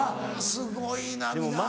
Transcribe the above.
すごいな皆。